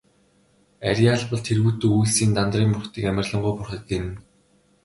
Арьяабал тэргүүтэн үйлсийн Дандарын бурхдыг амарлингуй бурхад гэнэ.